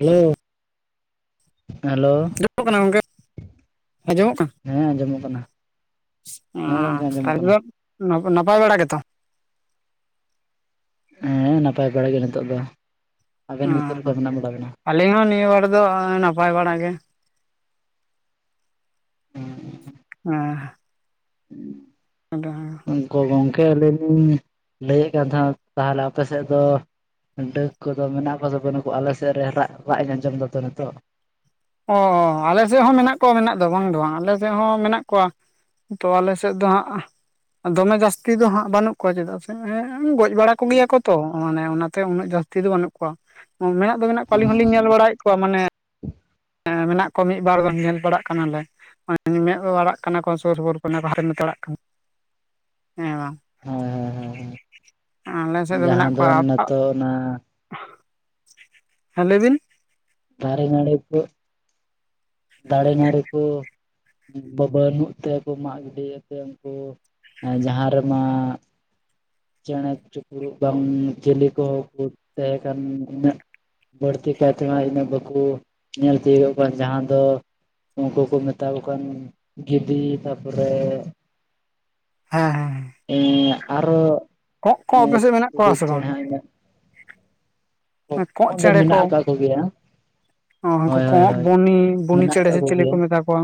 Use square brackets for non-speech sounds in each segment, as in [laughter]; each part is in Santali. ᱦᱮᱞᱳ᱾ ᱦᱮᱞᱳ [unintelligible] ᱠᱟᱱᱟ ᱜᱚᱝᱠᱮ? ᱟᱸᱡᱚᱢᱚᱜ ᱠᱟᱱᱟ, ᱦᱮᱸ ᱟᱸᱡᱚᱢᱚᱜ ᱠᱟᱱᱟ ᱦᱮᱸ ᱜᱚᱝᱠᱮ ᱚ ᱟᱸᱡᱚᱢᱚᱜ ᱠᱟᱱᱟ ᱛᱟᱨᱯᱚᱨ? ᱱᱟ ᱱᱟᱯᱟᱭ ᱵᱟᱲᱟ ᱜᱮᱛᱚ? ᱦᱮᱸ ᱱᱟᱯᱟᱭ ᱵᱟᱲᱟ ᱜᱮ ᱱᱤᱛᱚᱜ ᱫᱚ ᱟᱵᱮᱱ ᱜᱮ ᱪᱮᱫ ᱞᱮᱠᱟ ᱢᱮᱱᱟᱜ ᱵᱟᱲᱟ ᱵᱮᱱᱟ? ᱟᱞᱤᱧ ᱦᱚᱸ ᱱᱤᱭᱟᱹ ᱵᱟᱲ ᱫᱚ ᱱᱟᱯᱟᱭ ᱵᱟᱲᱟᱜ ᱜᱮ᱾ ᱦᱩᱸ᱾ ᱦᱟᱸ᱾ ᱟᱰᱚ ᱜᱚ ᱜᱚᱝᱠᱮ ᱟᱹᱞᱤᱧ ᱞᱤᱧ ᱞᱟᱹᱭᱮᱫ ᱠᱟᱱ ᱛᱟᱦᱮᱸᱱᱟ ᱛᱟᱦᱚᱞᱮ ᱟᱯᱮ ᱥᱮᱫ ᱫᱚ ᱰᱟᱹᱠ ᱠᱚᱫᱚ ᱢᱮᱱᱟᱜ ᱠᱚᱣᱟ ᱥᱮ ᱵᱟᱹᱱ ᱠᱩᱣᱟ? ᱟᱞᱮᱥᱮᱫ ᱨᱟᱜ ᱨᱟᱜ ᱤᱧ ᱟᱸᱡᱚᱢ ᱫᱟᱛᱚ ᱱᱤᱛᱚᱜ᱾ ᱚ ᱟᱞᱮ ᱥᱮᱫ ᱦᱚᱸ ᱢᱮᱱᱟᱜ ᱠᱚᱣᱟ ᱢᱮᱱᱟᱜ ᱫᱚ ᱵᱟᱝ ᱫᱚ ᱵᱟᱝ, ᱟᱞᱮ ᱥᱮᱫ ᱦᱚᱸ ᱢᱮᱱᱟᱜ ᱠᱚᱣᱟ᱾ ᱛᱚ ᱟᱞᱮ ᱥᱮᱫ ᱫᱚ ᱦᱟᱸᱜ ᱫᱚᱢᱮ ᱡᱟᱹᱥᱛᱤ ᱫᱚ ᱦᱟᱸᱜ ᱵᱟᱹᱱᱩᱜ ᱠᱚᱣᱟ ᱪᱮᱫᱟᱜ ᱥᱮ ᱮᱸ ᱜᱚᱡ ᱵᱟᱲᱟ ᱠᱚᱜᱮᱭᱟ ᱠᱚ ᱛᱚ ᱢᱟᱱᱮ ᱚᱱᱟᱛᱮ ᱩᱱᱟᱹᱜ ᱡᱟᱹᱥᱛᱤ ᱫᱚ ᱵᱟᱹᱱᱩᱜ ᱠᱚᱣᱟ᱾ ᱚ ᱢᱮᱱᱟᱜ ᱫᱚ ᱢᱮᱱᱟᱜ ᱠᱚᱣᱟ ᱟᱹᱞᱤᱧ ᱦᱚᱞᱤᱧ ᱧᱮᱞ ᱵᱟᱲᱟᱭᱮᱫ ᱠᱚᱣᱟ ᱢᱟᱱᱮ ᱮᱸ ᱢᱮᱱᱟᱜ ᱠᱚᱣᱟ ᱢᱤᱫ ᱵᱟᱨ ᱜᱟᱱ ᱧᱮᱞ ᱵᱟᱲᱟᱜ ᱠᱟᱱᱟᱞᱮ᱾ ᱢᱟᱱᱮ ᱢᱮᱫ ᱵᱟᱲᱟᱜ ᱠᱟᱱᱟ ᱠᱚ ᱥᱩᱨ ᱥᱩᱯᱩᱨ ᱠᱚ ᱚᱱᱟ ᱠᱚ ᱦᱟᱨᱮ ᱢᱮᱫ ᱚᱲᱟᱜ ᱠᱟᱱᱟ ᱦᱮᱸ ᱵᱟᱝ᱾ ᱦᱮᱸ ᱦᱮᱸ ᱦᱮᱸ᱾ ᱟᱞᱮ ᱥᱮᱫ ᱫᱚ ᱢᱮᱱᱟᱜ ᱠᱚᱣᱟ ᱱᱤᱛᱚᱜ ᱚᱱᱟ [unintelligible] ᱦᱮᱸ ᱞᱟᱹᱭ ᱵᱤᱱ? ᱫᱟᱨᱮ ᱱᱟᱲᱤ ᱠᱚ ᱫᱟᱲᱮ ᱱᱟᱹᱨᱤ ᱠᱚ ᱵᱟ-ᱵᱟᱹᱱᱩᱜ ᱛᱮᱠᱚ ᱢᱟᱜ ᱜᱤᱰᱤᱣᱟᱛᱮᱫ ᱩᱱᱠᱩ ᱡᱟᱦᱟᱸ ᱨᱮᱢᱟ ᱪᱮᱬᱮ ᱪᱤᱯᱨᱩᱫ ᱵᱟᱝ ᱡᱮᱞᱮ ᱠᱚ ᱛᱟᱦᱮᱸᱠᱟᱱ ᱩᱱᱟᱹᱜ ᱵᱟᱹᱲᱛᱤ ᱠᱟᱭᱛᱮᱢᱟ ᱤᱱᱟᱹᱜ ᱵᱟᱠᱚ ᱧᱮᱞ ᱛᱤᱭᱳᱜᱚᱜ ᱠᱟᱱ ᱡᱟᱦᱟᱸ ᱟᱫᱚ ᱩᱱᱠᱩ ᱠᱚ ᱢᱮᱛᱟ ᱠᱚ ᱠᱟᱱ ᱜᱤᱰᱤ ᱛᱟᱯᱚᱨᱮ ᱦᱮᱸ ᱦᱮᱸ᱾ ᱦᱮᱸ ᱮᱸ ᱟᱨᱚ ᱠᱚᱸᱜ ᱠᱚ ᱟᱯᱮᱥᱮᱫ ᱢᱮᱱᱟᱜ ᱪᱤᱞᱤ ᱠᱚᱣᱟ ᱥᱮ ᱪᱮᱬᱮ ᱵᱟᱝ? ᱦᱟᱸᱜ ᱤᱧᱟᱹᱜ ᱠᱚᱸᱜ ᱫᱚ ᱪᱮᱬᱮ ᱠᱚ᱾ ᱢᱮᱱᱟᱜ ᱟᱠᱟᱫ ᱠᱚᱜᱮᱭᱟ ᱚ ᱦᱥᱝᱠᱩ ᱦᱳᱭ ᱦᱳᱭ ᱠᱚᱸᱜ, ᱦᱳᱭ ᱵᱩᱱᱤ᱾ ᱵᱩᱱᱤ ᱢᱮᱱᱟᱜ ᱪᱮᱬᱮ ᱟᱠᱟᱫ ᱥᱮ ᱪᱤᱞᱤ ᱠᱚᱜᱮᱭᱟ ᱠᱚ ᱢᱮᱛᱟ ᱠᱚᱣᱟ᱾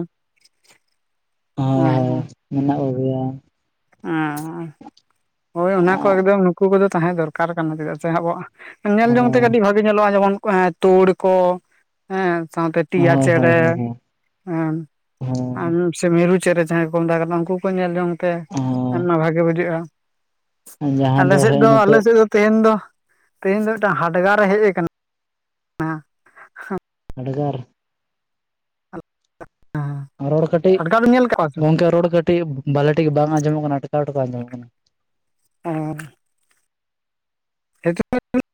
ᱦᱳᱭ ᱦᱳᱭ ᱢᱮᱱᱟᱜ ᱠᱚᱜᱮᱭᱟ [unintelligible] ᱦᱳᱭ ᱚᱱᱟ ᱠᱚ ᱮᱠᱫᱚᱢ ᱱᱩᱠᱩ ᱠᱚᱫᱚ ᱛᱟᱦᱮᱸ ᱫᱚᱨᱠᱟᱨ ᱠᱟᱱᱟ ᱪᱮᱫᱟᱜ ᱥᱮ ᱟᱵᱚᱣᱟᱜ, ᱧᱮᱞ ᱡᱚᱝ ᱦᱳᱭ ᱵᱟᱜᱮ ᱧᱮᱞᱚᱜᱼᱟ ᱡᱮᱢᱚᱱ ᱮᱸ ᱛᱩᱲ ᱠᱚ ᱦᱮᱸ ᱥᱟᱶᱛᱮ ᱴᱤᱭᱟ ᱦᱳᱭ ᱪᱮᱬᱮ᱾ ᱦᱳᱭ ᱟᱸᱱ. ᱥᱮ ᱢᱤᱨᱩ ᱪᱮᱫ ᱨᱮ ᱡᱟᱦᱟᱸᱭ ᱠᱚᱠᱚ ᱢᱮᱛᱟ ᱠᱟᱱᱟ ᱩᱱᱠᱩ ᱠᱚ ᱧᱮᱞ ᱛᱮ᱾ ᱟᱭᱢᱟ ᱦᱳᱭ ᱵᱷᱟᱜᱮ ᱵᱩᱡᱷᱟᱹᱜᱼᱟ᱾ ᱡᱟᱦᱟᱸ ᱟᱞᱮ ᱥᱮᱫ ᱦᱮᱸᱜ ᱫᱚ ᱟᱞᱮ ᱱᱤᱛᱚᱜ ᱥᱮᱫ ᱫᱚ ᱛᱮᱦᱮᱧ ᱫᱚ ᱛᱮᱦᱮᱧ ᱫᱚ ᱢᱤᱫᱴᱟᱝ ᱦᱟᱰᱜᱟᱨᱮ ᱦᱮᱡ ᱟᱠᱟᱱᱟ᱾ [inaudible] ᱦᱟᱰᱜᱟᱨ᱾ ᱨᱚᱲ ᱠᱟᱹᱴᱤᱡ ᱦᱟᱰᱜᱟᱨ ᱵᱤᱱ ᱧᱮᱞ ᱠᱟᱜ ᱠᱚᱣᱟ ᱥᱮ ᱜᱚᱝᱠᱮ ᱨᱚᱲ ᱠᱟᱹᱴᱤᱡ ᱵᱷᱟᱞᱮ ᱴᱷᱤᱠ ᱵᱟᱝ ᱟᱸᱡᱚᱢᱚᱜ ᱠᱟᱱᱟ ᱟᱴᱠᱟᱣ ᱟᱴᱠᱟᱣ ᱟᱸᱡᱚᱢᱚᱜ ᱠᱟᱱᱟ᱾ ᱚᱸ᱾ [inaudible]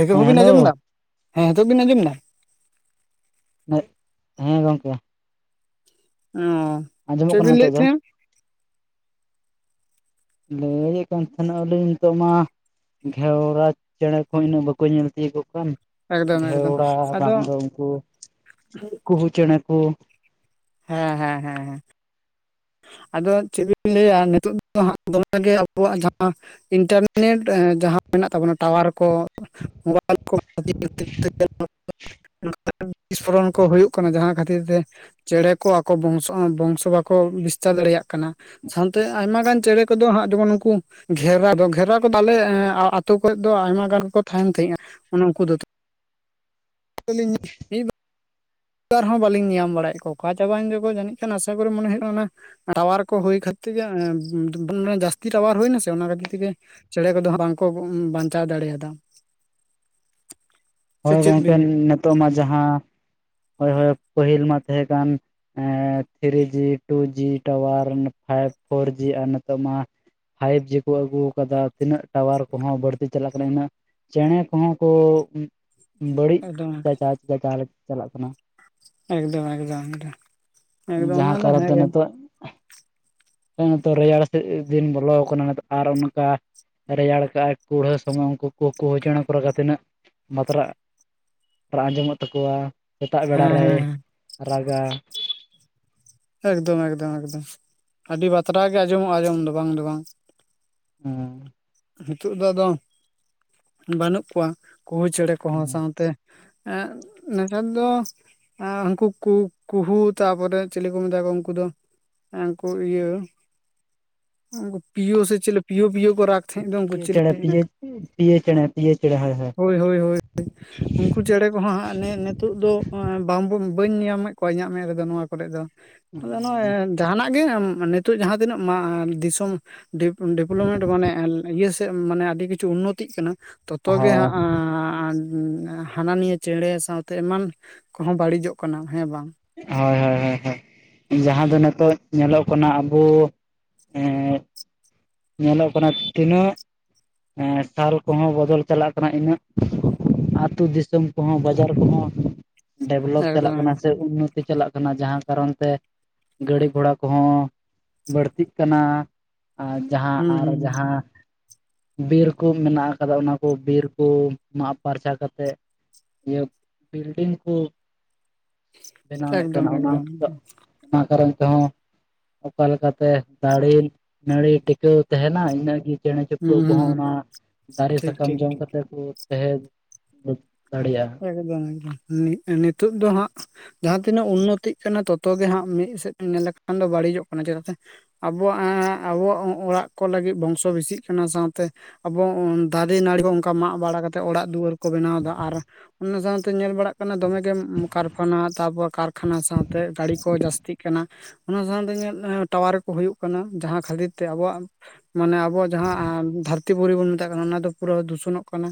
ᱦᱤᱛᱚᱜ ᱦᱮᱸ ᱦᱚᱵᱤᱱ ᱦᱮᱞᱳ ᱟᱸᱚᱢ ᱮᱫᱟ᱾ ᱦᱮᱸ ᱦᱤᱛᱚᱜ ᱵᱤᱱ ᱟᱸᱡᱚᱢ ᱮᱫᱟ? ᱦᱮᱸ ᱜᱚᱝᱠᱮ᱾ ᱚᱸ᱾ ᱟᱡᱚᱢᱚᱜ ᱠᱟᱱᱟ ᱱᱤᱛᱚᱜ ᱫᱚ᱾ ᱞᱟᱹᱭᱮᱫ ᱠᱟᱱ ᱛᱟᱦᱮᱱᱟᱜ ᱟᱹᱞᱤᱧ ᱱᱤᱛᱚᱜ ᱢᱟ ᱜᱷᱮᱣᱨᱟ ᱪᱮᱸᱬᱮ ᱠᱚᱦᱚ ᱤᱱᱟᱹᱜ ᱵᱟᱠᱚ ᱧᱮᱞ ᱛᱤᱭᱳᱜ ᱠᱟᱱ᱾ ᱮᱠᱫᱚᱢ ᱮᱠᱫᱚᱢ ᱜᱷᱮᱣᱲᱟ ᱟᱫᱚ ᱵᱟᱝ ᱫᱚ ᱠᱩ ᱪᱮᱬᱮ ᱠᱚ᱾ ᱦᱮᱸ ᱦᱮᱸ ᱦᱮᱸ ᱦᱮᱸ᱾ ᱟᱫᱚ ᱪᱮᱫ ᱱᱤᱱ ᱞᱟᱹᱭᱟ ᱱᱤᱛᱚᱜ ᱫᱚ ᱦᱟᱸᱜ ᱫᱚᱢᱮ ᱜᱮ ᱟᱵᱚᱣᱟᱜ ᱡᱟᱦᱟᱸ ᱤᱱᱴᱟᱨᱱᱮᱴ ᱡᱟᱦᱟᱸ ᱢᱮᱱᱟᱜ ᱛᱟᱵᱚᱱᱟ ᱴᱟᱣᱟᱨ ᱠᱚ [unintelligible] ᱵᱤᱥᱯᱷᱨᱚᱱ ᱠᱚ ᱦᱩᱭᱩᱜ ᱠᱟᱱᱟ ᱡᱟᱦᱟᱸ ᱠᱷᱟᱹᱛᱤᱨ ᱛᱮ ᱪᱮᱬᱮ ᱠᱚ ᱟᱠᱚ ᱵᱚᱝᱥᱚ ᱵᱚᱝᱥᱚ ᱵᱟᱠᱚ ᱠᱚ ᱵᱤᱥᱛᱟᱨ ᱫᱟᱲᱮᱭᱟᱜ ᱠᱟᱱᱟ ᱥᱟᱶᱛᱮ ᱟᱭᱢᱟ ᱜᱟᱱ ᱪᱮᱬᱮ ᱠᱚᱫᱚ ᱦᱟᱸᱜ ᱡᱮᱢᱚᱱ ᱩᱱᱠᱩ ᱜᱷᱮᱨᱟ ᱫᱚ ᱜᱷᱮᱨᱟ ᱠᱚᱫᱚ ᱟᱞᱮ ᱟᱛᱳ ᱠᱚᱨᱮ ᱫᱚ ᱟᱭᱢᱟ ᱜᱟᱱ ᱜᱮᱠᱚ ᱛᱟᱦᱮᱱ ᱛᱟᱦᱮᱸᱜᱼᱟ ᱩᱱᱩᱱᱠᱩ ᱫᱚ᱾ [unintelligible] ᱵᱟᱨᱦᱚᱸ ᱵᱹᱞᱤᱧ ᱧᱮᱧᱟᱢ ᱵᱟᱲᱟᱭᱮᱫ ᱠᱚ ᱚᱠᱟ ᱪᱟᱵᱟᱭ ᱱᱟᱠᱚ ᱡᱟᱹᱱᱤᱡ ᱠᱷᱟᱱ ᱟᱥᱟ ᱠᱚᱨᱤ ᱢᱚᱱᱮ ᱦᱩᱭᱩᱜᱼᱟ ᱚᱱᱟ ᱴᱟᱣᱟᱨ ᱠᱚ ᱦᱩᱭ ᱠᱷᱟᱹᱛᱤᱨ ᱜᱮ ᱡᱟᱹᱥᱛᱤ ᱴᱟᱣᱟᱨ ᱦᱩᱭᱱᱟ ᱥᱮ ᱚᱱᱟ ᱠᱷᱟᱹᱛᱤᱨ ᱛᱮᱜᱮᱼᱼ ᱪᱮᱸᱬᱮ ᱠᱚᱫᱚ ᱵᱟᱝᱠᱚ ᱵᱟᱧᱪᱟᱣ ᱫᱟᱲᱮᱭᱟᱫᱟ᱾ ᱥᱮ ᱦᱳᱭ ᱪᱮᱫ ᱜᱚᱝᱠᱮ ᱵᱤᱱ ᱞᱟᱹᱭᱟ ᱱᱤᱛᱚᱜ ᱢᱟ ᱡᱟᱦᱟᱸᱼᱼ ᱦᱳᱭ ᱦᱳᱭ ᱯᱟᱹᱦᱤᱞ ᱢᱟ ᱛᱟᱦᱮᱸ ᱠᱟᱱᱼᱼ ᱮ three G two G tower five four G ᱟᱨ ᱱᱤᱛᱚᱜ ᱢᱟᱼᱼ ᱯᱷᱟᱭᱤᱵ ᱡᱤ ᱠᱩ ᱟᱹᱜᱩ ᱟᱠᱟᱫᱟ ᱛᱤᱱᱟᱹᱜ ᱴᱟᱣᱟᱨ ᱠᱚᱦᱚᱸ ᱵᱟᱹᱲᱛᱤ ᱪᱟᱞᱟᱜ ᱠᱟᱱᱟ ᱤᱱᱟᱹᱜᱼᱼ ᱪᱮᱸᱬᱮ ᱠᱚᱦᱚᱸ ᱠᱚ ᱵᱟᱹᱲᱤᱡ ᱮᱠᱫᱚᱢ ᱡᱟᱦᱟᱸ ᱡᱟᱦᱟᱸ ᱞᱮᱠᱟ ᱪᱟᱞᱟᱜ ᱠᱟᱱᱟ᱾ ᱮᱠᱫᱚᱢ ᱮᱠᱫᱚᱢ ᱮᱠᱫᱚᱢ ᱮᱠᱫᱚᱢ ᱡᱟᱦᱟᱸ ᱚᱱᱟ ᱫᱚ ᱠᱟᱨᱚᱱ ᱦᱮᱸᱜᱮ᱾ ᱦᱮᱸ ᱱᱤᱛᱚᱜ ᱨᱮᱭᱟᱲ ᱥᱮᱫ ᱫᱤᱱ ᱵᱚᱞᱚ ᱟᱠᱟᱱᱟ ᱟᱨ ᱚᱱᱠᱟᱼᱼ ᱨᱮᱭᱟᱲ ᱠᱟᱜ ᱟᱭ ᱠᱩᱲᱦᱟᱹ ᱥᱚᱢᱚᱭ ᱩᱱᱠᱩ ᱠᱚ ᱠᱩᱦᱩ ᱪᱮᱸᱬᱮ ᱠᱚ ᱨᱟᱜᱟ ᱛᱤᱱᱟᱹᱜᱼᱼ ᱢᱟᱛᱨᱟᱜ ᱨᱟᱜ ᱟᱸᱡᱚᱢᱚᱜ ᱛᱟᱠᱚᱣᱟ ᱥᱮᱛᱟᱜ ᱵᱮᱲᱟ ᱦᱮᱸ ᱨᱮ ᱦᱮᱸ ᱦᱮᱸ ᱨᱟᱜᱟ᱾ ᱮᱠᱫᱚᱢ ᱮᱠᱫᱚᱢ ᱮᱠᱫᱚᱢ ᱟᱹᱰᱤ ᱵᱟᱛᱨᱟ ᱜᱮ ᱟᱸᱡᱚᱢᱚᱜᱼᱟ ᱟᱸᱡᱚᱢ ᱫᱚ ᱵᱟᱝ ᱫᱚ ᱵᱟᱝ᱾ ᱦᱩᱸ᱾ ᱱᱤᱛᱚᱜ ᱫᱚ ᱟᱫᱚ ᱵᱟᱹᱱᱩᱜ ᱠᱚᱣᱟ ᱠᱩᱦᱩ ᱪᱮᱸᱬᱮ ᱠᱚᱦᱚᱸ ᱥᱟᱶᱛᱮᱼᱼ ᱮᱸ ᱱᱮᱛᱟᱨ ᱫᱚ, ᱟᱨ ᱩᱱᱠᱩ ᱠᱩ ᱠᱩᱦᱩ ᱛᱟᱯᱚᱨᱮ ᱪᱮᱞᱮ ᱠᱚ ᱢᱮᱛᱟ ᱠᱚᱣᱟ ᱩᱱᱠᱩ ᱫᱚ, ᱩᱱᱠᱩ ᱤᱭᱟᱹ ᱩᱱᱠᱩ ᱯᱤᱭᱳ ᱥᱮ ᱪᱮᱞᱮ ᱯᱤᱭᱳ ᱯᱤᱭᱳ ᱠᱚ ᱨᱟᱜᱟ᱾ ᱫᱚ ᱩᱱᱠᱩ ᱯᱤᱭᱳ ᱪᱤᱞᱤ ᱪᱮᱬᱮ ᱯᱤᱭᱳ ᱯᱤᱭᱳ ᱪᱮᱬᱮ ᱯᱤᱭᱳ ᱪᱮᱬᱮ ᱦᱳᱭ ᱦᱳᱭ ᱩᱱᱠᱩ [inaudible] ᱦᱩᱱᱠᱩ ᱪᱮᱸᱬᱮ ᱠᱚᱦᱚᱸ ᱦᱟᱸᱜ ᱱᱤᱛᱚᱜ ᱫᱚ ᱵᱟᱝ ᱵᱟᱹᱧ ᱧᱟᱢᱮᱫ ᱠᱚᱣᱟ ᱤᱧᱟᱹᱜ ᱢᱮᱫ ᱨᱮᱫᱚ ᱱᱚᱣᱟ ᱠᱚᱨᱮ ᱫᱚ᱾ ᱟᱫᱚ ᱱᱚᱜᱼᱚᱭ ᱡᱟᱦᱟᱱᱟᱜ ᱜᱮ ᱱᱤᱛᱳᱜ ᱡᱟᱦᱟᱸ ᱛᱤᱱᱟᱹᱜ ᱫᱤᱥᱚᱢᱼᱼ ᱰᱮᱯᱞᱚᱯᱢᱮᱱᱴ ᱢᱟᱱᱮ ᱤᱭᱟᱹ ᱥᱮᱫ ᱢᱟᱱᱮ ᱟᱹᱰᱤ ᱠᱤᱪᱷᱩ ᱩᱱᱱᱚᱛᱤᱜ ᱠᱟᱱᱟ᱾ ᱛᱚᱛᱚ ᱜᱮ ᱦᱟᱸᱜᱻ ᱦᱟᱱᱟ ᱱᱤᱭᱟᱹ ᱪᱮᱸᱬᱮ ᱥᱟᱶᱛᱮ ᱮᱢᱟᱱ ᱠᱚᱦᱚᱸ ᱵᱟᱹᱲᱤᱡᱚᱜ ᱠᱟᱱᱟ ᱦᱮᱸ ᱵᱟᱝ, ᱦᱳᱭ ᱦᱳᱭ ᱦᱳᱭ ᱦᱳᱭ ᱡᱟᱦᱟᱸ ᱫᱚ ᱱᱤᱛᱚᱜ ᱧᱮᱞᱚᱜ ᱠᱟᱱᱟ ᱟᱵᱩᱼᱼ ᱮᱸ [inaudible] ᱧᱮᱞᱚᱜ ᱠᱟᱱᱟ ᱛᱤᱱᱟᱹᱜ ᱥᱟᱞ ᱠᱚᱦᱚᱸ ᱵᱚᱫᱚᱞ ᱪᱟᱞᱟᱜ ᱠᱟᱱᱟ ᱤᱱᱟᱹᱜᱼᱼ ᱟᱛᱳ ᱫᱤᱥᱚᱢ ᱠᱚᱦᱚᱸ ᱵᱟᱡᱟᱨ ᱠᱚᱦᱚᱸ ᱰᱮᱵᱷᱞᱚᱯ ᱮᱠᱫᱚᱢ ᱪᱟᱞᱟᱜ ᱠᱟᱱᱟ ᱮᱠᱫᱚᱢ ᱥᱮ ᱩᱱᱟᱹᱜᱼᱼ ᱪᱟᱞᱟᱜ ᱠᱟᱱᱟ ᱡᱟᱦᱟᱸ ᱠᱟᱨᱚᱱ ᱛᱮᱼᱼ ᱜᱟᱹᱲᱤ ᱜᱷᱚᱲᱟ ᱠᱚᱦᱚᱸ ᱵᱟᱹᱲᱛᱤᱜ ᱠᱟᱱᱟ ᱟᱨᱼᱼ ᱡᱟᱦᱟᱸ ᱦᱩᱸ ᱟᱨ ᱦᱩᱸ ᱡᱟᱦᱟᱸᱼᱼ ᱵᱤᱨ ᱠᱩ ᱢᱮᱱᱟᱜ ᱟᱠᱟᱫᱟ ᱚᱱᱟ ᱠᱩ ᱵᱤᱨ ᱠᱩ ᱢᱟᱜ ᱯᱷᱟᱨᱪᱟ ᱠᱟᱛᱮᱫᱼᱼ ᱤᱭᱟᱹ ᱵᱤᱞᱰᱤᱝ ᱠᱩ ᱵᱮᱱᱟᱣᱮᱫ ᱮᱠᱫᱚᱢ ᱠᱟᱱᱟ ᱚᱱᱟ ᱮᱠᱫᱚᱢ ᱠᱚ᱾ ᱚᱱᱟ ᱠᱟᱨᱚᱱ ᱛᱮᱦᱚᱸ ᱚᱠᱟ ᱞᱮᱠᱟᱛᱮ ᱫᱟᱨᱮ ᱱᱟᱹᱲᱤᱼᱼ ᱴᱤᱠᱟᱹᱣ ᱛᱟᱦᱮᱱᱟ ᱤᱱᱟᱹᱜ ᱜᱮ ᱪᱮᱬᱮ ᱦᱩᱸ ᱪᱤᱯᱨᱲᱩᱫ ᱦᱩᱸ ᱠᱚᱦᱚᱸ ᱦᱩᱸ ᱚᱱᱟ ᱫᱟᱨᱮ ᱴᱷᱤᱠ ᱥᱟᱠᱟᱢ ᱴᱷᱤᱠ ᱡᱚᱢ ᱠᱟᱛᱮ ᱠᱩᱼᱼ ᱛᱟᱦᱮᱸ ᱫᱟᱲᱮᱭᱟᱜᱼᱟ᱾ ᱮᱠᱫᱚᱢ ᱮᱠᱫᱚᱢ ᱱᱤᱛᱳᱜ ᱫᱚ ᱦᱟᱜ, ᱡᱟᱦᱟᱸ ᱛᱤᱱᱟᱹᱜ ᱩᱱᱱᱚᱛᱤᱜ ᱠᱟᱱᱟ ᱛᱚᱛᱚ ᱜᱮ ᱦᱟᱸᱜ ᱢᱤᱫ ᱥᱮᱫ ᱧᱮᱞ ᱞᱮᱠᱷᱟᱱ ᱫᱚ ᱵᱟᱹᱲᱤᱡᱚᱜ ᱠᱟᱱᱟ ᱪᱮᱫᱟᱜ ᱥᱮᱼᱼ ᱟᱵᱚᱣᱟᱜ ᱟᱵᱚᱣᱟᱜ ᱚᱲᱟᱜ ᱠᱚ ᱞᱟᱹᱜᱤᱫ ᱵᱚᱝᱥᱚ ᱵᱮᱥᱤᱜ ᱠᱟᱱᱟ ᱥᱟᱶᱛᱮᱼᱼ ᱟᱵᱚ ᱫᱟᱨᱮ ᱱᱟᱹᱲᱤ ᱵᱚ ᱚᱱᱠᱟ ᱢᱟᱜ ᱵᱟᱲᱟ ᱠᱟᱛᱮᱫ ᱚᱲᱟᱜ ᱫᱩᱣᱟᱹᱨ ᱠᱚ ᱵᱮᱱᱟᱣ ᱮᱫᱟ ᱟᱨᱼᱼ ᱚᱱᱟ ᱥᱟᱶᱛᱮ ᱧᱮᱞ ᱵᱟᱲᱟᱜ ᱠᱟᱱᱟ ᱫᱚᱢᱮᱜ ᱜᱮ ᱠᱟᱨᱯᱷᱟᱱᱟ ᱛᱟᱯᱚᱨ ᱠᱟᱨᱠᱷᱟᱱᱟ ᱥᱟᱶᱛᱮ ᱜᱟᱲᱤ ᱠᱚ ᱡᱟᱹᱥᱛᱤᱜᱼᱼ ᱠᱟᱱᱟ ᱚᱱᱟ ᱥᱟᱶᱛᱮ ᱤᱧᱟᱹᱜ ᱴᱟᱣᱟᱨ ᱠᱚ ᱦᱩᱭᱩᱜ ᱠᱟᱱᱟ ᱡᱟᱦᱟᱸ ᱠᱷᱟᱹᱛᱤᱨ ᱛᱮ ᱟᱵᱚᱣᱟᱜᱼᱼ ᱢᱟᱱᱮ ᱟᱵᱚᱣᱟᱜ ᱡᱟᱦᱟᱸ ᱫᱷᱟᱹᱨᱛᱤ ᱯᱩᱨᱤ ᱵᱚᱱ ᱢᱮᱛᱟᱜ ᱠᱟᱱᱟ ᱚᱱᱟ ᱫᱚ ᱯᱩᱨᱟᱹ ᱫᱷᱩᱥᱚᱱᱚᱜ ᱠᱟᱱᱟ᱾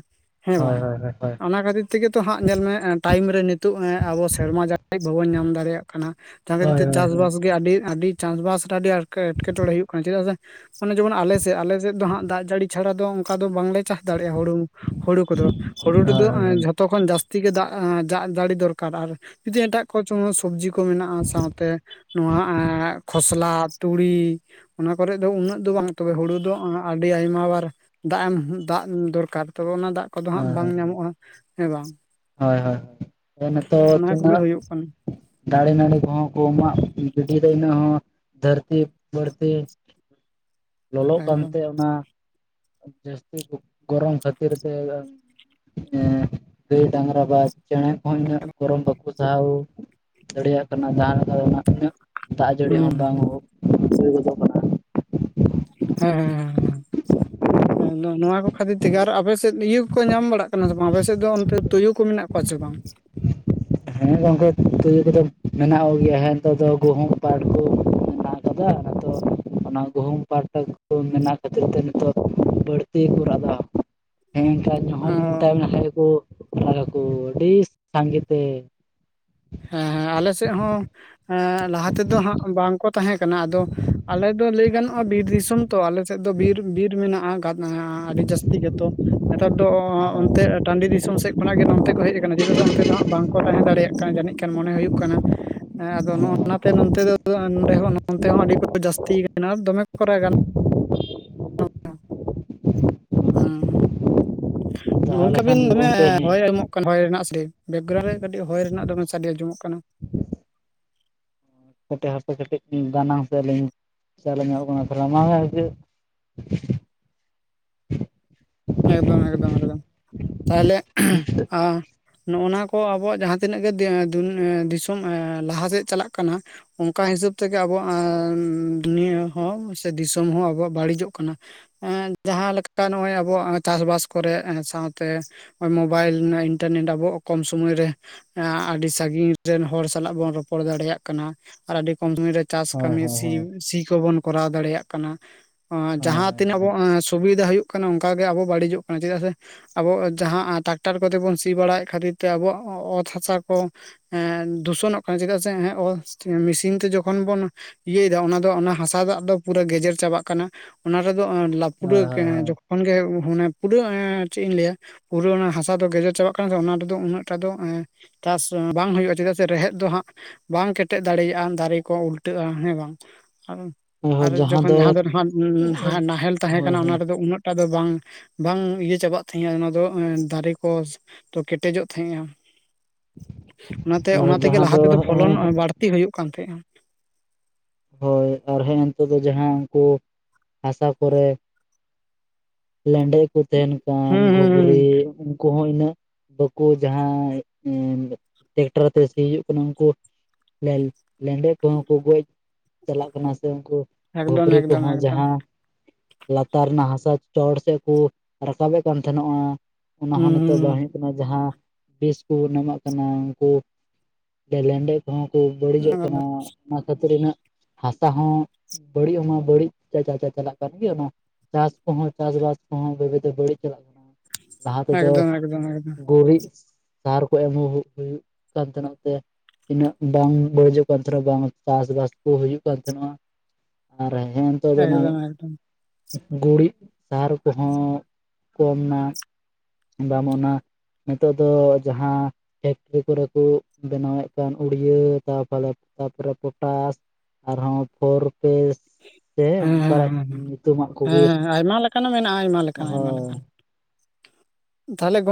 ᱦᱮᱸ ᱦᱳᱭ ᱵᱟᱝ ᱦᱳᱭ ᱦᱳᱭ ᱦᱳᱭ ᱚᱱᱟ ᱠᱷᱟᱹᱛᱤᱨᱼᱼ ᱛᱮᱜᱮᱛᱚ ᱦᱟᱸᱜ ᱧᱮᱞᱢᱮ ᱴᱟᱭᱤᱢ ᱨᱮ ᱱᱤᱛᱚᱜ ᱟᱵᱚ ᱥᱮᱨᱢᱟ ᱡᱟᱲᱤ ᱵᱟᱵᱚᱱ ᱧᱟᱢ ᱫᱟᱲᱮᱭᱟᱜ ᱠᱟᱱᱟ᱾ ᱡᱟᱦᱟᱸ ᱠᱷᱟᱹᱛᱤᱨ ᱦᱳᱭ ᱛᱮ ᱦᱳᱭ ᱦᱳᱭ ᱪᱟᱥᱵᱟᱥ ᱜᱮ ᱟᱹᱰᱤ ᱟᱹᱰᱤᱼᱼ ᱪᱟᱥᱵᱟᱥ ᱨᱮ ᱟᱹᱰᱤ ᱮᱴ ᱮᱴᱠᱮᱴᱚᱬᱮ ᱦᱩᱭᱩᱜ ᱠᱟᱱᱟ ᱪᱮᱫᱟᱜ ᱥᱮ ᱢᱟᱱᱮ ᱡᱮᱢᱚᱱ ᱟᱞᱮ ᱥᱮᱫ ᱟᱞᱮ ᱥᱮᱫ ᱫᱚ ᱦᱟᱸᱜ ᱫᱟᱜ ᱡᱟᱹᱲᱤ ᱪᱷᱟᱲᱟ ᱚᱱᱠᱟ ᱫᱚ ᱵᱟᱝᱞᱮ ᱪᱟᱥ ᱫᱟᱲᱮᱭᱟᱜᱼᱟ ᱦᱩᱲᱩ, ᱦᱩᱲᱩ ᱠᱚᱫᱚ ᱦᱳᱭ ᱦᱩᱲᱩ ᱨᱮᱫᱚ ᱦᱳᱭ ᱡᱚ ᱛᱚ ᱛᱚᱠᱷᱚᱱ ᱡᱟᱹᱥᱛᱤ ᱜᱮ ᱫᱟᱜ ᱫᱟᱜ ᱡᱟᱲᱤ ᱫᱚᱨᱠᱟᱨ ᱟᱨ ᱡᱩᱫᱤ ᱮᱴᱟᱜ ᱠᱚᱪ ᱥᱚᱵᱡᱤ ᱠᱚ ᱢᱮᱱᱟᱜᱼᱟ ᱥᱟᱶᱛᱮ, ᱱᱚᱣᱟ ᱮ ᱠᱷᱚᱥᱞᱟ ᱛᱩᱲᱤ, ᱚᱱᱟ ᱠᱚᱨᱮᱫ ᱫᱚ ᱩᱱᱟᱹᱜ ᱫᱚ ᱵᱟᱝ ᱛᱚᱵᱮ ᱦᱩᱲᱩ ᱫᱚ ᱟᱹᱰᱤ ᱟᱭᱢᱟ ᱵᱟᱨ ᱫᱟᱜ ᱮᱢ ᱫᱟᱜ ᱫᱚᱨᱠᱟᱨ ᱛᱚᱵᱮ ᱚᱱᱟ ᱫᱟᱜ ᱠᱚᱫᱚ ᱦᱳᱭ ᱦᱟᱸᱜ ᱵᱟᱝ ᱧᱟᱢᱚᱜᱼᱟ ᱦᱮᱸ ᱵᱟᱝ᱾ ᱦᱳᱭ ᱦᱳᱭ ᱱᱤᱛᱚᱜ ᱚᱱᱟ ᱠᱚᱜᱮ ᱛᱤᱱᱟᱹᱜ ᱦᱩᱭᱩᱜ ᱠᱟᱱᱟ ᱫᱟᱨᱮ ᱱᱟᱹᱲᱤ ᱠᱚᱦᱚᱸ ᱠᱚᱢᱟᱜ ᱜᱤᱰᱤ ᱫᱚ ᱤᱱᱟᱹᱜ ᱦᱚᱸ ᱫᱷᱟᱹᱨᱛᱤ ᱵᱟᱹᱲᱛᱤ ᱞᱚᱞᱚᱜ ᱮᱠᱫᱚᱢ ᱠᱟᱱᱛᱮ ᱚᱱᱟ ᱡᱟᱹᱥᱛᱤ ᱜᱚᱨᱚᱢ ᱠᱷᱟᱹᱛᱤᱨ ᱛᱮ ᱜᱟᱹᱭ ᱰᱟᱝᱨᱟ ᱵᱟᱫᱽ ᱪᱮᱬᱮ ᱦᱚ ᱤᱱᱟᱹᱜ ᱜᱚᱨᱚᱢ ᱵᱟᱠᱚ ᱥᱟᱦᱟᱣ ᱫᱟᱲᱮᱭᱟᱜ ᱠᱟᱱᱟ ᱡᱟᱦᱟᱸ ᱞᱮᱠᱟ ᱫᱟᱜ ᱡᱟᱹᱲᱤ ᱦᱚᱸ ᱦᱩᱸ ᱵᱟᱝ ᱦᱳᱭ ᱜᱫᱚᱜ ᱦᱮᱸ ᱦᱮᱸ ᱟᱫᱚ ᱱᱚᱣᱟ ᱠᱚ ᱠᱷᱟᱹᱛᱤᱨ ᱛᱮᱜᱮ ᱟᱨ ᱟᱵᱮᱥ ᱮᱫ ᱤᱭᱟᱹ ᱠᱚᱠᱚ ᱧᱟᱢ ᱵᱟᱲᱟᱜ ᱠᱟᱱᱟ ᱥᱮ ᱵᱟᱝ ᱟᱯᱮ ᱥᱮᱫ ᱫᱚ ᱚᱱᱛᱮ ᱛᱩᱭᱩ ᱠᱚ ᱢᱮᱱᱟᱜ ᱠᱚᱣᱟ ᱪᱮ ᱵᱟᱝ? ᱦᱮᱸ ᱜᱚᱢᱠᱮ ᱛᱩᱭᱩ ᱠᱚᱫᱚ ᱢᱮᱱᱟᱜ ᱠᱚ ᱜᱮᱭᱟ ᱦᱮᱸ ᱱᱮᱛᱟᱨ ᱫᱚ ᱜᱩᱦᱩᱢ ᱯᱟᱴᱷ ᱠᱚ [unintelligible] ᱚᱱᱟ ᱜᱩᱦᱩᱢ ᱯᱴᱟ ᱠᱚ ᱢᱮᱱᱟᱜ ᱠᱷᱟᱹᱛᱤᱨ ᱛᱮ ᱱᱤᱛᱚᱜ ᱵᱟᱹᱲᱛᱤ ᱠᱚ ᱠᱚᱨᱟᱣᱫᱟ ᱾ ᱦᱮᱸᱱᱠᱟ ᱚ ᱧᱩᱦᱚᱢ ᱴᱟᱭᱢᱤ ᱱᱟᱦᱮᱞ ᱠᱚ ᱟᱲᱟᱜᱟᱠᱚ ᱟᱹᱰᱤ ᱥᱟᱸᱜᱮ ᱛᱮ ᱦᱮᱸ ᱦᱮᱸ ᱟᱞᱮ ᱥᱮᱫ ᱦᱚᱸ ᱮ ᱞᱟᱦᱟ ᱛᱮᱫᱚ ᱦᱟᱸᱜ ᱵᱟᱝᱠᱚ ᱛᱟᱦᱮᱸ ᱠᱟᱱᱟ ᱟᱫᱚ ᱟᱞᱮ ᱫᱚ ᱞᱟᱹᱭ ᱜᱟᱱᱚᱜᱼᱟ ᱵᱤᱨ ᱫᱤᱥᱚᱢ ᱛᱚ ᱟᱞᱮ ᱥᱮᱫ ᱫᱚ ᱵᱤᱨ ᱵᱤᱨ ᱢᱮᱱᱟᱜ-ᱟ [unintelligible] ᱟᱹᱰᱤ ᱡᱟᱹᱥᱛᱤ ᱜᱮᱛᱚ, ᱱᱮᱛᱟᱨ ᱫᱚ ᱚᱱᱛᱮ ᱴᱟᱹᱰᱤ ᱫᱤᱥᱚᱢ ᱥᱮᱫ ᱠᱷᱚᱱᱟᱜ ᱜᱮ ᱱᱚᱱᱛᱮ ᱠᱚ ᱦᱮᱡ ᱟᱠᱟᱱᱟ ᱪᱮᱫᱟᱜ ᱥᱮ ᱚᱱᱛᱮ ᱫᱚ ᱦᱟᱸᱜ ᱵᱟᱝᱠᱚ ᱛᱟᱦᱮᱸ ᱫᱟᱲᱮᱭᱟᱜ ᱠᱟᱱᱟ ᱡᱟᱹᱱᱤᱡ᱾ ᱢᱚᱱᱮ ᱦᱩᱭᱩᱜ ᱠᱟᱱᱟ ᱟᱫᱚ ᱚᱱᱟ ᱛᱮ ᱱᱚᱛᱮ ᱫᱚ [unintelligible] ᱱᱚᱛᱮᱦᱚᱸ ᱟᱹᱰᱤ ᱠᱚ ᱡᱟᱹᱥᱛᱤ ᱠᱟᱱᱟ ᱫᱚᱢᱮ ᱠᱚᱨᱟᱜ ᱜᱟᱱ ᱦᱩᱸ ᱛᱟᱦᱚᱞᱮ ᱜᱚᱝᱠᱮ ᱵᱤᱱ ᱠᱷᱟᱱ ᱫᱚᱢᱮ ᱜᱚᱝᱠᱮ ᱦᱮᱸ ᱦᱚᱭ ᱮᱢᱚᱜ ᱠᱟᱱ ᱦᱚᱭ ᱨᱮᱱᱟᱜ ᱥᱟᱰᱮ ᱵᱮᱠᱜᱨᱟᱣᱩᱱ ᱨᱮ ᱠᱟᱹᱴᱤᱡ ᱦᱚᱭ ᱨᱮᱱᱟᱜ ᱫᱚ ᱥᱟᱰᱮ ᱟᱸᱡᱚᱢᱚᱜ ᱠᱟᱱᱟ᱾ ᱠᱟᱹᱴᱤᱡ ᱦᱟᱯᱮ ᱠᱟᱹᱴᱤᱡ ᱫᱟᱱᱟᱝ ᱥᱮ ᱟᱹᱞᱤᱧ ᱪᱟᱞᱟᱣ ᱧᱚᱜᱚᱜ ᱠᱟᱱᱟ [unintelligible] [unintelligible] ᱮᱠᱫᱚᱢ ᱮᱠᱫᱚᱢ ᱮᱠᱫᱚᱢ ᱛᱟᱦᱚᱞᱮ ᱟ ᱱᱚᱜ ᱱᱟ ᱠᱚ ᱟᱵᱚᱣᱟᱜ ᱡᱟᱦᱟᱸ ᱛᱤᱱᱟᱹᱜ ᱜᱮ ᱫᱤᱥᱚᱢ ᱞᱟᱦᱟ ᱥᱮᱫ ᱪᱟᱞᱟᱜ ᱠᱟᱱᱟ, ᱚᱱᱠᱟ ᱦᱤᱥᱟᱹᱵ ᱛᱮᱜᱮ ᱟᱵᱚᱣᱟᱜ ᱫᱩᱱᱤᱭᱟᱹ ᱦᱚᱸ ᱥᱮ ᱫᱤᱥᱚᱢ ᱦᱚᱸ ᱟᱵᱚᱣᱟᱜ ᱵᱟᱹᱲᱤᱡᱚᱜ ᱠᱟᱱᱟ ᱾ ᱦᱮᱸ ᱡᱟᱦᱟᱸ ᱞᱮᱠᱟ ᱱᱚ-ᱚᱭ ᱟᱵ ᱟᱵᱚᱣᱟᱜ ᱪᱟᱥᱵᱟᱥ ᱠᱚᱨᱮ ᱥᱟᱶᱛᱮ ᱢᱳᱵᱟᱭᱤᱞ ᱤᱱᱴᱟᱨᱱᱮᱴ ᱟᱵᱚᱣᱟᱜ ᱠᱚᱢ ᱥᱚᱢᱚᱭ ᱨᱮ ᱟᱹᱰᱤ ᱥᱟᱹᱜᱤᱧ ᱨᱮᱱ ᱦᱚᱲ ᱥᱟᱞᱟᱜ ᱵᱚᱱ ᱨᱚᱯᱚᱲ ᱫᱟᱲᱮᱭᱟᱜ ᱠᱟᱱᱟ ᱟᱨ ᱟᱹᱰᱤ ᱠᱚᱢ ᱥᱚᱢᱚᱭ ᱨᱮ ᱪᱟᱥ ᱦᱳᱭ ᱠᱟᱹᱢᱤ ᱦᱳᱭ ᱥᱤ ᱦᱳᱭ ᱥᱤ ᱠᱚᱵᱚᱱ ᱠᱚᱨᱟᱣ ᱫᱟᱲᱮᱭᱟᱜ ᱠᱟᱱᱟ ᱾ ᱦᱳᱭ ᱡᱟᱦᱟᱸ ᱛᱤᱱᱟᱹᱜ ᱵᱚ ᱦᱳᱭ ᱥᱩᱵᱤᱫᱷᱟ ᱦᱩᱭᱩᱜ ᱠᱟᱱᱟ ᱚᱱᱠᱟᱜ ᱜᱮ ᱟᱵᱚ ᱵᱟᱹᱲᱤᱡᱚᱜ ᱠᱟᱱᱟ, ᱪᱮᱫᱟᱜ ᱥᱮ ᱟᱵᱚ ᱡᱟᱦᱟᱸ ᱴᱟᱠᱴᱟᱨ ᱠᱚᱛᱮ ᱵᱚᱱ ᱥᱤ ᱵᱟᱲᱟᱭᱮᱫ ᱠᱷᱟᱹᱛᱤᱨ ᱛᱮ ᱟᱵᱚᱣᱟᱜ ᱚᱛ ᱦᱟᱥᱟ ᱠᱚ, ᱮᱸ ᱫᱩᱥᱚᱱᱚᱜ ᱠᱟᱱᱟ ᱪᱮᱫᱟᱜ ᱥᱮ ᱢᱮᱥᱤᱱ ᱛᱮ ᱡᱚᱠᱷᱚᱱ ᱵᱚᱱ ᱤᱭᱟᱹᱭᱮᱫᱟ ᱚᱱᱟ ᱫᱚ ᱚᱱᱟ ᱦᱟᱥᱟ ᱫᱟᱜ ᱫᱚ ᱯᱩᱨᱟᱹ ᱜᱮᱡᱮᱨ ᱪᱟᱵᱟᱜ ᱠᱟᱱᱟ ᱚᱱᱟ ᱨᱮᱫᱚ ᱯᱩᱨᱟᱹ [unintelligible] ᱢᱟᱱᱮ ᱯᱩᱨᱟᱹ ᱪᱮᱫ ᱤᱧ ᱞᱟᱹᱭᱟ! ᱯᱩᱨᱟᱹ ᱚᱱᱟ ᱦᱟᱥᱟ ᱫᱚ ᱜᱮᱡᱮᱨ ᱪᱟᱵᱟᱜ ᱠᱟᱱᱟ ᱚᱱᱟ ᱨᱮᱫᱚ ᱩᱱᱟᱹᱜᱴᱟᱜ ᱫᱚ ᱮᱸ ᱪᱟᱥ ᱵᱟᱝ ᱦᱩᱭᱩᱜᱼᱟ ᱪᱮᱫᱟᱜ ᱥᱮ ᱨᱮᱦᱮᱫ ᱫᱚ ᱦᱟᱸᱜ ᱵᱟᱝ ᱠᱮᱴᱮᱡ ᱫᱟᱲᱮᱭᱟᱜᱼᱟ ᱫᱟᱨᱮ ᱠᱚ ᱩᱞᱴᱟᱹᱜᱼᱟ ᱦᱮᱸ ᱵᱟᱝ? ᱟᱨ ᱡᱚᱠᱷᱚᱱ ᱡᱟᱦᱟᱸ ᱫᱚ ᱱᱟᱜ ᱱᱟᱦᱮᱞ ᱛᱟᱦᱮᱸ ᱦᱳᱭ ᱠᱟᱱᱟ ᱦᱳᱭ ᱚᱱᱟ ᱨᱮᱫᱚ ᱩᱱᱟᱹᱜ ᱮᱴᱟᱜ ᱫᱚ ᱵᱟᱝ ᱵᱟᱝ ᱤᱭᱟᱹ ᱪᱟᱵᱟᱜ ᱛᱟᱦᱮᱸᱼᱟ ᱚᱱᱟ ᱫᱚ ᱫᱟᱨᱮ ᱠᱚ, ᱛᱚ ᱠᱮᱴᱮᱡᱚᱜ ᱛᱟᱦᱮᱸᱼᱟ ᱚᱱᱟᱛᱮ ᱚᱱᱟ ᱛᱮᱜᱮ ᱡᱟᱦᱟᱸ ᱞᱟᱦᱟ ᱫᱚ ᱛᱮᱫᱚ ᱯᱷᱚᱞᱚᱱ ᱵᱟᱹᱲ ᱛᱤ ᱦᱩᱭᱩᱜ ᱠᱟᱱ ᱛᱟᱦᱮᱸᱜᱼᱟ ᱾ ᱦᱳᱭ ᱟᱨ ᱦᱮᱸ ᱱᱤᱛᱚᱜ ᱫᱚ ᱡᱟᱦᱟᱸ ᱩᱱᱠᱩ ᱦᱟᱥᱟ ᱠᱚᱨᱮ, ᱞᱮᱸᱰᱮᱡ ᱠᱚ ᱛᱟᱦᱮᱱ ᱠᱟᱱ ᱦᱩᱸ ᱦᱩᱸ ᱜᱷᱩᱜᱽᱲᱤ ᱦᱩᱸ ᱩᱱᱠᱩ ᱦᱚᱸ ᱤᱱᱟᱹᱜ ᱵᱟᱠᱩ ᱡᱟᱦᱟᱸ ᱮᱸᱰᱮᱡ ᱴᱮᱠᱴᱟᱨ ᱟᱛᱮ ᱥᱤ ᱦᱩᱭᱩᱜ ᱠᱟᱱᱟ ᱩᱱᱠᱩ, ᱞᱮᱞ ᱞᱮᱸᱰᱮᱡ ᱠᱚᱦᱚᱸ ᱠᱚ ᱜᱚᱡ ᱪᱟᱞᱟᱜ ᱠᱟᱱᱟ ᱥᱮ ᱩᱱᱠᱩ ᱾ ᱮᱠᱫᱚᱢ ᱜᱷᱩᱜᱽᱨᱤ ᱮᱠᱫᱚᱢ ᱠᱚᱦᱚᱸ ᱮᱠᱫᱚᱢ ᱡᱟᱦᱟᱸ, ᱞᱟᱛᱟᱨ ᱨᱮᱱᱟᱜ ᱦᱟᱥᱟ ᱪᱚᱴ ᱥᱮᱫ ᱠᱚ ᱨᱟᱠᱟᱵᱮᱫ ᱠᱟᱱ ᱛᱟᱦᱮᱱᱚᱜᱼᱟ ᱾ ᱚᱱᱟᱦᱚᱸ ᱦᱩᱸ ᱱᱤᱛᱚᱜ ᱵᱟᱝ ᱦᱩᱭᱩᱜ ᱦᱩᱸ ᱠᱟᱱᱟ ᱡᱟᱦᱟᱸ ᱵᱤᱥ ᱠᱚ ᱮᱢᱟᱜ ᱠᱟᱱᱟ ᱩᱱᱠᱩ, ᱞᱮᱱᱰᱮᱡ ᱠᱚᱦᱚᱸ ᱠᱚ ᱵᱟᱹᱲᱤᱡᱚᱜ ᱠᱟᱱᱟ ᱮᱠᱫᱚᱢ ᱚᱱᱟ ᱠᱷᱟᱹᱛᱤᱨ ᱤᱱᱟᱹᱜ ᱦᱟᱥᱟ ᱦᱚᱸ ᱵᱟᱹᱲᱤᱡ ᱦᱚᱸᱢᱟ ᱵᱟᱹᱲᱤᱡᱟ ᱪᱟᱪᱟ ᱪᱟᱞᱟᱜ ᱠᱟᱱ ᱜᱮ ᱚᱱᱟ ᱪᱟᱥ ᱠᱚᱦᱚᱸ ᱪᱟᱥᱵᱟᱥ ᱠᱚᱦᱚᱸ ᱵᱛᱮ ᱵᱟᱹᱲᱤᱡ ᱪᱟᱞᱟᱜ ᱠᱟᱱᱟ ᱞᱟᱦᱟ ᱛᱮᱫᱚ ᱮᱠᱫᱚᱢ ᱮᱠᱫᱚᱢ ᱜᱩᱨᱤᱡ, ᱥᱟᱨ ᱠᱚ ᱮᱢ ᱦᱩᱭᱩᱜ ᱠᱟᱱ ᱛᱟᱦᱮᱱᱟ ᱛᱮ, ᱤᱱᱟᱹᱜ ᱵᱟᱝ ᱵᱟᱹᱲᱤᱡᱚᱜ ᱠᱟᱱ [unintelligible] ᱵᱟᱝ ᱪᱟᱥ ᱵᱟᱥ ᱠᱚ ᱦᱩᱭᱩᱜ ᱠᱟᱱ ᱛᱟᱦᱮᱱᱚᱜᱼᱟ ᱾ ᱟᱨ ᱦᱮᱸ ᱱᱤᱛᱚᱜ ᱫᱚ ᱚᱱᱟ ᱮᱠᱫᱚᱢ ᱮᱠᱫᱚᱢ ᱜᱩᱨᱤᱡ ᱥᱟᱨ ᱠᱚᱦᱚᱸ ᱠᱚᱢ ᱱᱟ ᱵᱟᱢ ᱚᱱᱟ, ᱱᱤᱛᱚᱜ ᱫᱚ ᱡᱟᱦᱟᱸ ᱯᱷᱮᱠᱴᱨᱤ ᱠᱚᱨᱮ ᱠᱚ ᱵᱮᱱᱟᱣᱮᱫ ᱠᱟᱱ ᱩᱲᱭᱟᱹ ᱛᱟᱨᱯᱚᱨᱮ ᱯᱚᱴᱟᱥ ᱾ ᱟᱨᱦᱚᱸ ᱯᱷᱚᱨ ᱯᱮᱥ ᱥᱮ ᱦᱮᱸ ᱦᱮᱸ ᱚᱱᱠᱟᱟᱜ ᱧᱩᱛᱩᱢᱟᱱ ᱦᱮᱸ ᱠᱚᱜᱮ ᱾ ᱦᱮᱸ ᱟᱭᱢᱟ ᱞᱮᱠᱟᱱᱟᱜ ᱢᱮᱱᱟᱜᱼᱟ ᱟᱭᱢᱟ ᱞᱮᱠᱟᱱ ᱟᱭᱢᱟ ᱞᱮᱠᱟᱱ ᱾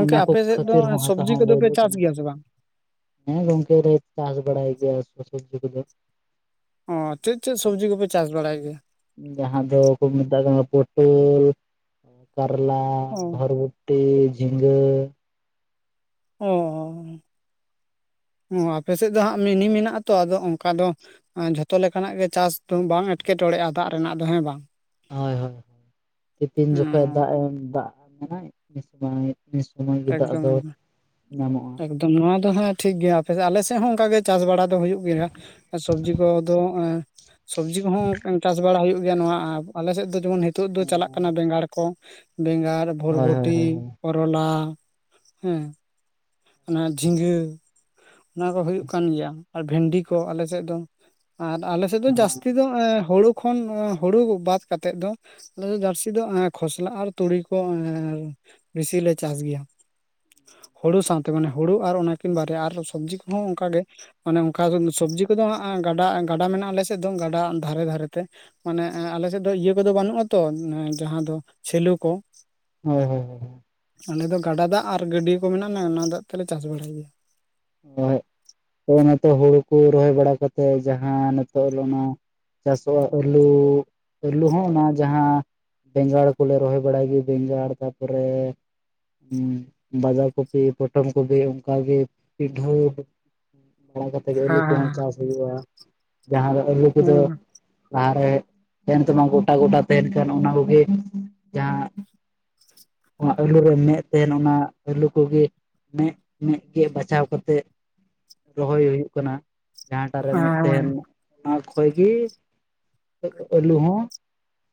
ᱚᱱᱟ ᱠᱚ ᱟᱯᱮ ᱥᱮᱫ ᱫᱚ ᱠᱷᱟᱹᱛᱤᱨ ᱦᱚᱸ ᱦᱟᱥᱟ ᱥᱚᱵᱽᱡᱤ ᱦᱚᱸ ᱠᱚᱫᱚ ᱯᱮ [unintelligible] ᱪᱟᱥ ᱠᱟᱱᱟ ᱜᱮᱭᱟ ᱥᱮ ᱵᱟᱝ ᱾ ᱦᱮᱸ ᱜᱚᱝᱠᱮ ᱨᱮ ᱪᱟᱥ ᱵᱟᱲᱟᱭ ᱜᱮᱭᱟ ᱥᱚᱵᱽᱡᱤ ᱠᱚᱫᱚ ᱾ ᱚᱻ ᱪᱮᱫ ᱪᱮᱫ ᱥᱚᱵᱽᱡᱤ ᱠᱚᱯᱮ ᱪᱟᱥ ᱵᱟᱲᱟᱭ ᱜᱮᱭᱟ? ᱡᱟᱦᱟᱸ ᱫᱚᱠᱚ ᱢᱮᱛᱟᱜ ᱠᱟᱱᱟ ᱯᱚᱴᱚᱞ ᱠᱟᱨᱞᱟ ᱚ ᱵᱷᱚᱨᱵᱚ ᱴᱤ ᱡᱷᱤᱸᱜᱟᱹ ᱾ ᱚ ᱟᱯᱮ ᱥᱮᱫ ᱫᱚ ᱦᱟᱸᱜ ᱢᱤᱱᱤ ᱢᱮᱱᱟᱜ ᱟ ᱛᱚ ᱟᱫᱚ ᱚᱱᱠᱟ ᱫᱚ ᱡᱷᱚᱛᱚ ᱞᱮᱠᱟᱱᱟᱜ ᱜᱮ ᱪᱟᱥ ᱫᱚ ᱵᱟᱝ ᱮᱸᱴᱠᱮᱴᱚᱬᱮᱜᱼᱟ ᱫᱟᱜ ᱨᱮᱱᱟᱜ ᱫᱚ ᱦᱮᱸ ᱵᱟᱝ? ᱦᱳᱭ ᱦᱳᱭ ᱛᱤᱯᱤᱱ ᱡᱚᱠᱷᱚᱱ ᱚᱸ ᱫᱟᱜ ᱮᱢ ᱫᱟᱜ [unintelligible] ᱵᱟᱝ ᱢᱤᱫ ᱥᱩᱢᱟᱹᱭ ᱜᱮ ᱫᱟᱜ ᱫᱚ ᱧᱟᱢᱚᱜᱼᱟ ᱾ ᱟᱫᱚ ᱱᱚᱣᱟ ᱫᱚ ᱦᱮ ᱴᱷᱤᱠ ᱜᱮᱭᱟ ᱟᱯᱮ ᱟᱞᱮ ᱥᱮᱫ ᱦᱚᱸ ᱚᱱᱠᱟᱜ ᱜᱮ ᱪᱟᱥ ᱵᱟᱲᱟ ᱫᱚ ᱦᱩᱭᱩᱜ ᱜᱮᱭᱟ ᱾ ᱥᱚᱵᱽᱡᱤ ᱠᱚᱫᱚ ᱮᱸ ᱥᱚᱵᱽᱡᱤ ᱠᱚᱦᱚᱸ ᱪᱟᱥ ᱵᱟᱲᱟ ᱦᱩᱭᱩᱜ ᱜᱮᱭᱟ ᱱᱚᱣᱟ ᱟᱞᱮ ᱥᱮᱫ ᱫᱚ ᱡᱮᱢᱚᱱ ᱱᱤᱛᱚᱜ ᱫᱚ ᱪᱟᱞᱟᱜ ᱠᱟᱱᱟ ᱵᱮᱸᱜᱟᱲ ᱠᱚ ᱾ ᱵᱮᱸᱜᱟᱲ, ᱦᱳᱭ ᱦᱳᱭ ᱵᱷᱚᱨᱵᱷᱚᱴᱤ, ᱦᱳᱭ ᱠᱚᱨᱚᱞᱟ ᱦᱮᱸ ᱾ ᱚᱱᱟ ᱡᱷᱤᱸᱜᱟᱹ ᱚᱱᱟᱠᱚ ᱦᱩᱭᱩᱜ ᱠᱟᱱ ᱜᱮᱭᱟ ᱾ ᱟᱨ ᱵᱷᱮᱱᱰᱤ ᱠᱚ ᱟᱞᱮᱥᱮᱫ ᱫᱚ ᱟᱨ ᱟᱞᱮᱥᱮᱫ ᱫᱚ ᱦᱩᱸ ᱡᱟᱹᱥᱛᱤ ᱫᱚ, ᱮᱸ ᱦᱩᱲᱩ ᱠᱷᱚᱱ ᱦᱩᱲᱩ ᱵᱟᱛ ᱠᱟᱛᱮᱫ ᱫᱚ ᱟᱞᱮ ᱡᱟᱹᱨᱥᱤ ᱫᱚ ᱠᱷᱚᱥᱞᱟ ᱟᱨ ᱛᱩᱲᱤ ᱠᱚ ᱮ ᱵᱮᱥᱤᱞᱮ ᱪᱟᱥ ᱜᱮᱭᱟ ᱾ ᱦᱩᱲᱩ ᱥᱟᱶᱛᱮ ᱢᱟᱱᱮ ᱦᱩᱲᱩ ᱟᱨ ᱚᱱᱟᱠᱤᱱ ᱵᱟᱨᱭᱟ ᱟᱨ ᱥᱚᱵᱽᱡᱤ ᱠᱚᱦᱚᱸ ᱚᱱᱠᱟᱜᱮ ᱾ ᱚᱱᱮ ᱚᱱᱠᱟ ᱥᱚᱵᱽᱡᱤ ᱠᱚᱫᱚ ᱦᱟᱸᱜ ᱜᱟᱰᱟ ᱜᱟᱰᱟ ᱢᱮᱱᱟᱜᱼᱟ ᱟᱞᱮ ᱥᱮᱫ ᱫᱚ ᱜᱟᱰᱟ ᱫᱷᱟᱨᱮ ᱫᱷᱟᱨᱮᱛᱮ ᱾ ᱢᱟᱱᱮ ᱟᱞᱮ ᱥᱮᱫ ᱫᱚ ᱤᱭᱟᱹ ᱠᱚᱫᱚ ᱵᱟᱹᱱᱩᱜᱼᱟ ᱛᱚ ᱡᱟᱦᱟᱸ ᱫᱚ ᱥᱮᱞᱩ ᱠᱚ᱾ ᱦᱳᱭ ᱦᱳᱭ ᱦᱳᱭ ᱟᱞᱮ ᱫᱚ ᱜᱟᱰᱟ ᱫᱟᱜ ᱟᱨ ᱜᱟᱹᱰᱤᱭᱟᱹ ᱠᱚ ᱢᱮᱱᱟᱜᱼᱟ ᱞᱮ ᱚᱱᱟ ᱫᱟᱜ ᱛᱮᱞᱮ ᱪᱟᱥ ᱵᱟᱲᱟᱭ ᱜᱮᱭᱟ᱾ ᱦᱳᱭ ᱱᱤᱛᱚᱜ ᱦᱩᱲᱩ ᱠᱚ ᱨᱚᱦᱚᱭ ᱵᱟᱲᱟ ᱠᱟᱛᱮᱫ ᱡᱟᱦᱟᱸ ᱱᱤᱛᱚᱜ ᱨᱮᱱᱟᱜ ᱪᱟᱥᱚᱜᱼᱟ ᱟᱹᱞᱩ ᱟᱹᱞᱩ ᱦᱚᱸ ᱚᱱᱟ ᱡᱟᱦᱟᱸ ᱵᱮᱸᱜᱟᱲ ᱠᱚᱞᱮ ᱨᱚᱦᱚᱭ ᱵᱟᱲᱟᱭ ᱜᱮ, ᱵᱮᱸᱜᱟᱲ ᱛᱟ ᱯᱚᱨᱮ ᱩᱸ ᱵᱟᱫᱟ ᱠᱚᱯᱤ, ᱯᱚᱴᱚᱢ ᱠᱚᱯᱤ ᱚᱝᱠᱟ ᱜᱮ᱾ ᱯᱤᱰᱷᱟᱹ ᱵᱟᱲᱟ ᱠᱟᱛᱮ ᱜᱮ ᱟᱹᱞᱩ ᱦᱮᱸ ᱠᱚᱦᱚᱸ ᱪᱟᱥ ᱦᱩᱭᱩᱜᱼᱟ᱾ ᱡᱟᱦᱟᱸ ᱫᱚ ᱯᱟᱹᱞᱩ ᱠᱚ ᱫᱚ ᱦᱮᱸ ᱞᱟᱦᱟ ᱨᱮ ᱛᱮᱱ ᱛᱮᱢᱟ ᱩᱸ ᱜᱚᱴᱟ-ᱜᱚᱴᱟ ᱛᱮᱱ ᱠᱟᱱᱚᱜ ᱚᱱᱟ ᱠᱚᱜᱮ ᱡᱟᱦᱟᱸ ᱚᱱᱟ ᱟᱹᱞᱩ ᱨᱮ ᱢᱮᱜ ᱛᱮᱦᱮᱱ, ᱚᱱᱟ ᱟᱹᱞᱩ ᱠᱚᱜᱮ ᱢᱮᱜ-ᱢᱮᱜ ᱜᱮ ᱵᱟᱪᱷᱟᱣ ᱠᱟᱛᱮᱜ ᱨᱚᱦᱚᱭ ᱦᱩᱭᱩᱜ ᱠᱟᱱᱟ, ᱡᱟᱦᱟᱸᱴᱟᱜ ᱨᱮ ᱢᱮᱜ ᱛᱮᱦᱮᱱ ᱢᱟ᱾ ᱦᱮᱸ ᱚᱱᱟ ᱠᱷᱚᱡ ᱜᱮ ᱟᱹᱜ ᱟᱹᱞᱩ ᱦᱚᱸ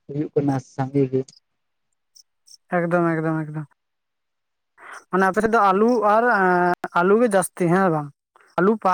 ᱦᱩᱭᱩᱜ ᱠᱟᱱᱟ ᱥᱟᱸᱜᱮ ᱜᱮ᱾ ᱮᱠᱫᱚᱢ, ᱮᱠᱫᱚᱢ, ᱮᱠᱫᱚᱢ᱾ ᱟᱱᱟ ᱟᱯᱮ ᱥᱮᱫ ᱫᱚ ᱟᱹᱞᱩ ᱟᱨ ᱟᱹᱞᱩ ᱮᱸ ᱟᱹᱞᱩ ᱜᱮ ᱡᱟᱹᱥᱛᱤ ᱦᱮᱸ ᱵᱟᱝ, ᱟᱹᱞᱩ ᱯᱟ